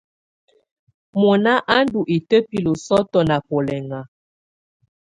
Mɔnà à ndù itǝbilǝ sɔ̀tɔ̀ nà bulɛŋa.